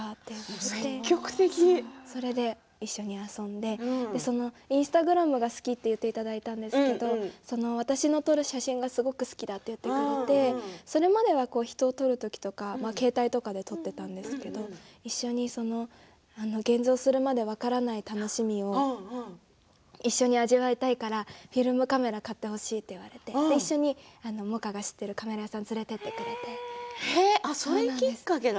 それで一緒に遊んでインスタグラムが好きと言っていただいたんですけど私の撮る写真がすごく好きだと言ってくれてそれまでは人を撮る時とか携帯とかで撮っていたんですけど現像するまで分からない楽しみを一緒に味わいたいからフィルムカメラを買ってほしいと言われて一緒に、萌歌が知っているカメラ屋さんにそれきっかけ